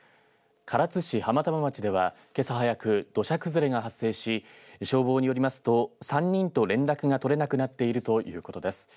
唐津市浜玉町では、今朝早く土砂崩れが発生し消防によりますと３人と連絡が取れなくなっているということです。